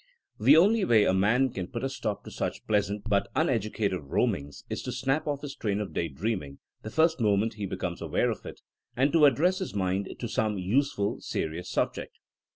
The only way a man can put a stop to such pleasant but uneducative roamings, is to snap off his train of day dreaming the first moment he becomes aware of it, and to address his mind to some useful serious subject.